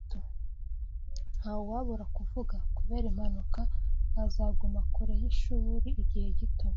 Ntawabura kuvuga, kubera impanuka, azaguma kure yishuri igihe gito.